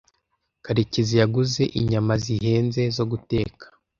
Karekezi yaguze inyama zihenze zo guteka.